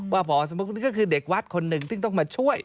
ว่าพศพนี้ก็คือเด็กวัดคนหนึ่งต้องมาช่วย